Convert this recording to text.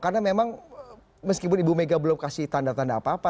karena memang meskipun ibu mega belum kasih tanda tanda apa apa